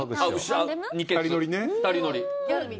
２人乗りを。